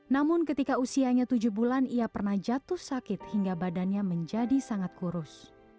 namun ketika usianya tujuh bulan ia pernah jatuh sakit hingga badannya menjadi sangat kurus